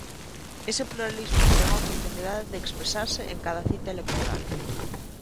Ese pluralismo ten a oportunidade de expresarse en cada cita electoral.